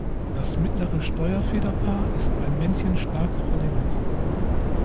Das mittlere Steuerfederpaar ist bei Männchen stark verlängert.